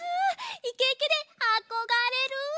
イケイケであこがれる！